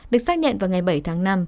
được xác nhận vào ngày bảy tháng năm